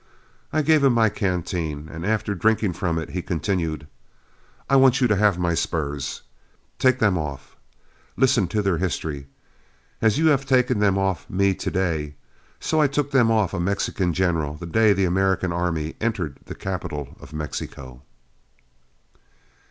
I gave him my canteen, and after drinking from it he continued, 'I want you to have my spurs. Take them off. Listen to their history: as you have taken them off me to day, so I took them off a Mexican general the day the American army entered the capital of Mexico.'"